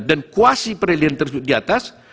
dan kuasi peradilan tersebut diatas